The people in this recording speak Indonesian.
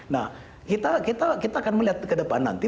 nah kita akan melihat ke depan nanti